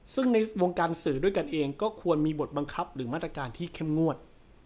สื่อที่ขนาดนี้เองก็ควรมีบทบังคับหรือมาตรฐานที่เค่มงวด